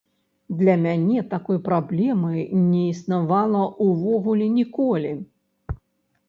Для мяне такой праблемы не існавала ўвогуле ніколі.